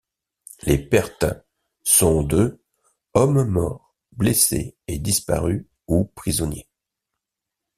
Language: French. Les pertes sont de hommes morts, blessés et disparus ou prisonniers.